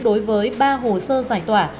đối với ba hồ sơ giải tỏa